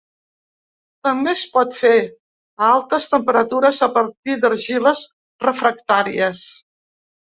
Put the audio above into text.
També es pot fer, a altes temperatures, a partir d'argiles refractàries.